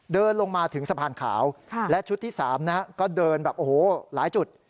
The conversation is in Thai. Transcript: เดินลงมาถึงสะพานขาวและชุดที่๓นะฮะก็เดินแบบโอ้โหหลายจุด